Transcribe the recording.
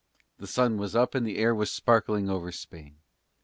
The sun was up and the air was sparkling over Spain.